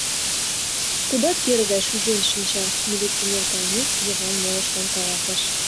Тудат пире гай шужен шинча, — милиционер кайымек, Йыван молыштлан каласыш.